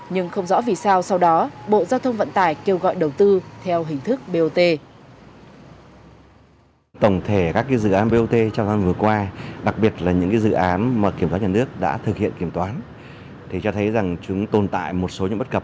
nhưng không rõ vì sao sau đó bộ giao thông vận tải kêu gọi đầu tư